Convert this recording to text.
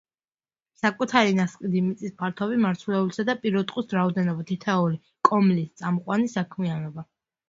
საკუთარი ნასყიდი მიწის ფართობი, მარცვლეულისა და პირუტყვის რაოდენობა, თითოეული კომლის წამყვანი საქმიანობა.